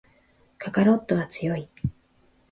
カカロットは強い